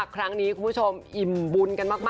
คุณผู้ชมอิ่มบุญกันมาก